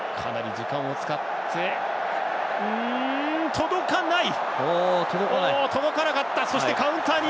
届かない！